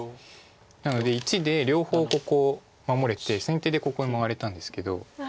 なので①で両方ここを守れて先手でここへ回れたんですけど。